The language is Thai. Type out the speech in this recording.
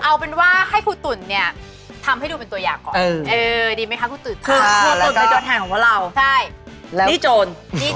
เอาเป็นว่าให้ครูตุ๋นเนี่ยทำให้ดูเป็นตัวอย่างก่อน